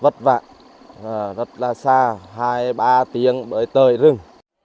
và vất vạn rất là xa hai ba tiếng bởi tời rừng